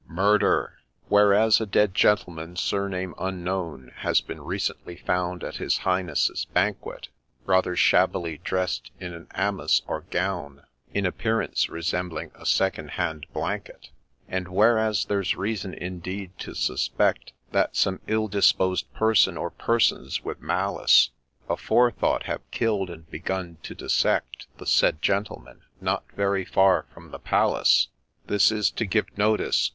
' MURDER !! WHEREAS, a dead gentleman, surname unknown, Has been recently found at his Highness's banquet, Rather shabbily drest in an Amice, or gown In appearance resembling a second hand blanket ;' And WHEREAS, there 's great reason indeed to suspect That some ill disposed person, or persons, with malice Aforethought, have kill'd, and begun to dissect The said Gentleman, not very far from the palace ;' THIS is TO GIVE NOTICE